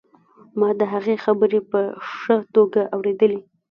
ما د هغوی خبرې په ښه توګه اورېدلې